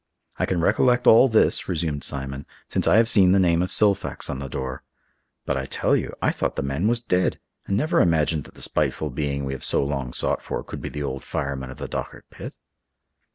"I can recollect all this," resumed Simon, "since I have seen the name of Silfax on the door. But I tell you, I thought the man was dead, and never imagined that the spiteful being we have so long sought for could be the old fireman of the Dochart pit."